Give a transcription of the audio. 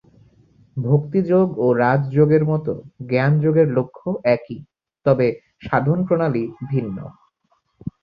ভক্তিযোগ ও রাজযোগের মত জ্ঞানযোগের লক্ষ্য একই, তবে সাধনপ্রণালী ভিন্ন।